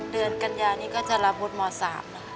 เดือนกันยานี้ก็จะรับวุฒิหมอสามละค่ะ